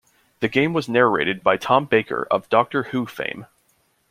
The game was narrated by Tom Baker of "Doctor Who" fame.